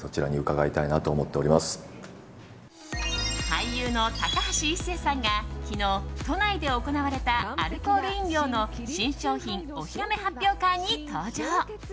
俳優の高橋一生さんが昨日、都内で行われたアルコール飲料の新商品お披露目発表会に登場。